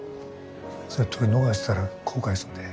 それ撮り逃したら後悔すんで。